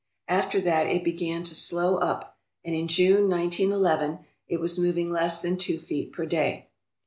After that it began to slow up, and in June, 1 9 1 1 , it was moving less than two feet per day.